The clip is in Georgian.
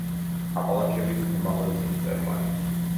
აპალაჩების უმაღლესი მწვერვალი.